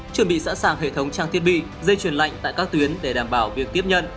chuẩn bị sẵn sàng hệ thống trang thiết bị dây chuyển lạnh tại các tuyến để đảm bảo việc tiếp nhận